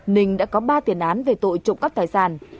ninh đã có ba tiền án về tội trộm cắp tài sản